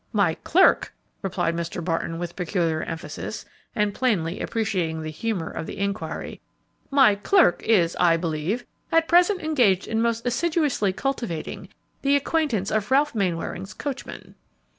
"My 'clerk!'" replied Mr. Barton, with peculiar emphasis, and plainly appreciating the humor of the inquiry; "my 'clerk' is, I believe, at present engaged in most assiduously cultivating the acquaintance of Ralph Mainwaring's coachman."